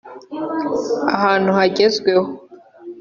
ahantu hagezweho